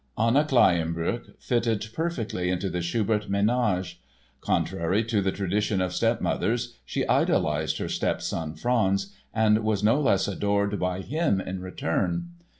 Anna Kleyenböck fitted perfectly into the Schubert ménage. Contrary to the tradition of stepmothers she idolized her stepson, Franz, and was no less adored by him in return.